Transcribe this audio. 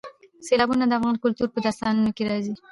سیلابونه د افغان کلتور په داستانونو کې راځي.